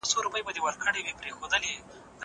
زه پرون موبایل کارولی!